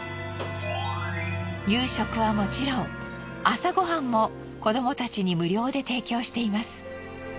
夕食はもちろん朝ご飯も子どもたちに無料で提供しています。